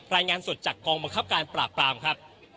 รายงานสดจากกองบังคับการปราบปรามครับ